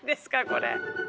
これ。